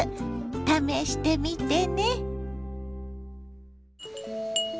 試してみてね。